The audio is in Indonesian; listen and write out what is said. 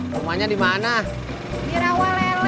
sekarang apa aja di bawah neng